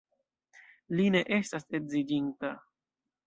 Li ne estas edziĝinta.